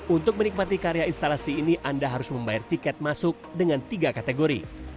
untuk menikmati karya instalasi ini anda harus membayar tiket masuk dengan tiga kategori